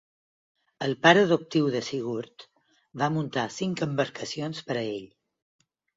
El pare adoptiu de Sigurd va muntar cinc embarcacions per a ell.